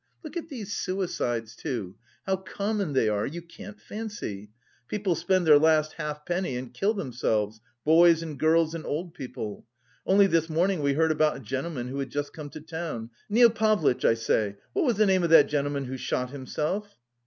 Look at these suicides, too, how common they are, you can't fancy! People spend their last halfpenny and kill themselves, boys and girls and old people. Only this morning we heard about a gentleman who had just come to town. Nil Pavlitch, I say, what was the name of that gentleman who shot himself?"